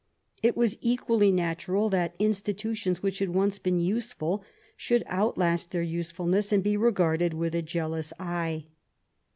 It was equally natural that institutions which had once been useful should outlast their usefulness and be regarded with a jealous eye.